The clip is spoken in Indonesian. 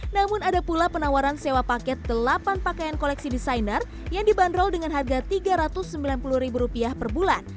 namun ada pula penawaran sewa paket delapan pakaian koleksi desainer yang dibanderol dengan harga rp tiga ratus sembilan puluh per bulan